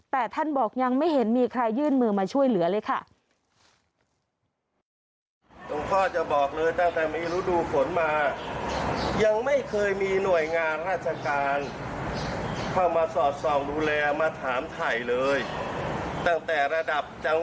แต่ท่านบอกยังไม่เห็นมีใครยื่นมือมาช่วยเหลือเลยค่ะ